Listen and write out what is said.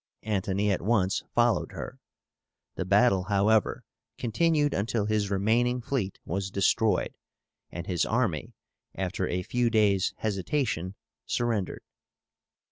Antony at once followed her. The battle, however, continued until his remaining fleet was destroyed, and his army, after a few days' hesitation, surrendered.